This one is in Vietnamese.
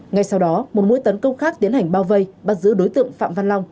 ngay sau đó một mũi tấn công khác tiến hành bao vây bắt giữ đối tượng phạm văn long